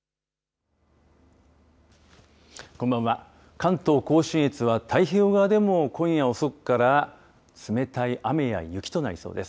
関東甲信越は、太平洋側でも今夜遅くから冷たい雨や雪となりそうです。